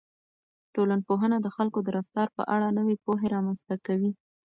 ټولنپوهنه د خلکو د رفتار په اړه نوې پوهه رامنځته کوي.